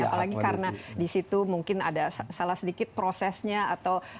apalagi karena di situ mungkin ada salah sedikit prosesnya atau